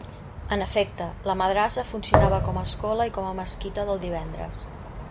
En efecte, la madrassa funcionava com a escola i com a mesquita del divendres.